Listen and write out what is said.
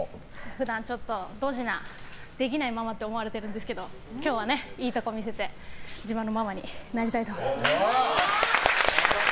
普段、ドジなできないママって思われてるんですけど今日はいいところを見せて自慢のママになりたいと思います。